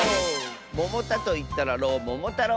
「ももた」といったら「ろう」「ももたろう」だよね。